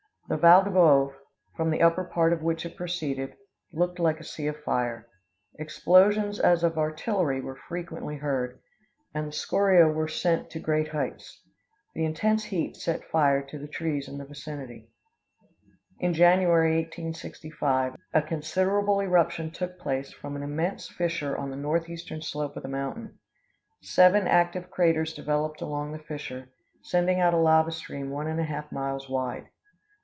The Val del Bove, from the upper part of which it proceeded, looked like a sea of fire. Explosions as of artillery were frequently heard, and the scoriæ were sent up to great heights." The intense heat set fire to the trees in the vicinity. In January, 1865, a considerable eruption took place from an immense fissure on the northeastern slope of the mountain. Seven active craters developed along the fissure, sending out a lava stream one and one half miles wide.